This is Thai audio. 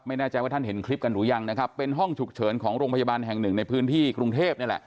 ไม่แน่ใจว่าท่านเห็นคลิปกันหรือยังนะครับเป็นห้องฉุกเฉินของโรงพยาบาลแห่งหนึ่งในพื้นที่กรุงเทพนี่แหละ